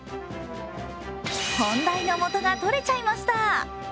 本代の元が取れちゃいました。